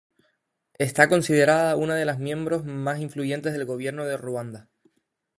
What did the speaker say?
Está considerada una de las miembros más influyentes del gobierno de Ruanda.